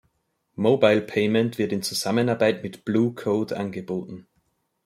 Mobile-Payment wird in Zusammenarbeit mit Blue Code angeboten.